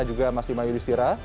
dan juga mas bima yudhistira